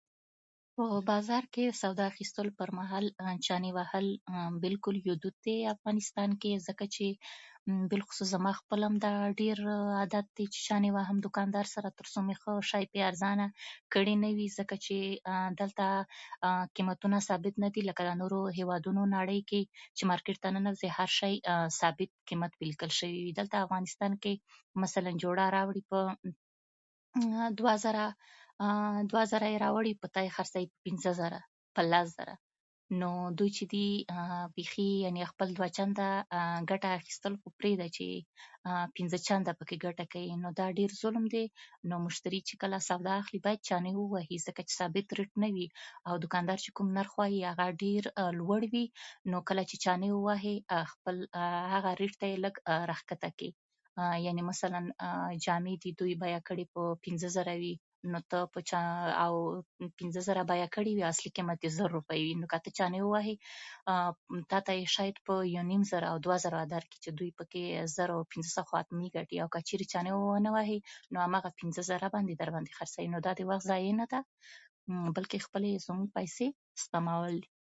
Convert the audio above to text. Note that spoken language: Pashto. په بازار کي سودا اخيستلو پر مهال چڼې وهل بلکل يو دود دی په افغانستان کي، ځکه چي بېل خصوص زما هم خپله داغه ډېر عادت دی چي چڼې وهم دوکاندار سره تر څو مي ښه شی په ارزانه کړي نه وي. ځکه چي دلته قيمتونه ثابت نه دي، لکه نورو هيوادونو نړۍ کي چي مارکېټ ته ننوځي هر شی ثابت قيمت پرې ليکل شوی وي. دلته افغانستان کي مثلاً جوړه يي راوړي، په dis دوه زره، dis يې په تايي خرڅوي په پنځه زره، په لس زره. نو دوی چي دي dis بيخي يعني خپله ګټه اخيستل، هو پرېده چي dis پنځه چنده په کي ګټه کړي. نو دا ډېر ظلم دی. نو مشتري چي کله سودا اخلي بايد چڼې ووهي، ځکه ثابت ريټ نه وي او دوکاندار چي کوم نرخ وايي هغه ډېر لوړ وي. نو کله چي چڼې ووهي dis هغه خپل ريټ ته يې لږ راښکته کړي، يعني مثلاً dis جامې دي، دوی بيعه کړي په پنځه زره وي، نو dis په پنځه زره بيعه کي اصلي قيمت يې زر روپۍ وي. نو که چڼې ووهي dic تاته يې شايد يونيم زر يا دوه زره درکړي چي دوی په کي زر، پنځه سوه خامخا ګټي. dic که چڼې ونه وهي نو هماغه پنځه زره يې درباندې خرڅه يي. نو دا د وخت ضايع نه ده، بلکي خپلي زموږ پيسي سپمول دي.